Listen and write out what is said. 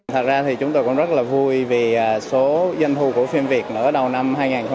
thật ra thì chúng tôi cũng rất là vui vì số doanh thu của phim việt nửa đầu năm hai nghìn hai mươi bốn